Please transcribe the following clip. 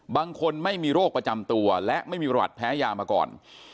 ไม่มีโรคประจำตัวและไม่มีประวัติแพ้ยามาก่อน